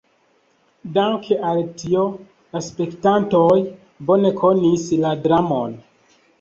Danke al tio la spektantoj bone konis la dramon.